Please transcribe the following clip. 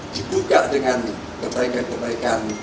dibuka dengan ketaikan ketaikan